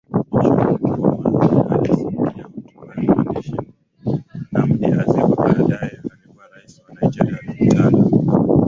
chuo Nkrumah alisikia hotuba ya mwandishi Nnamdi Azikiwe baadaye alikuwa rais wa Nigeria Alikutana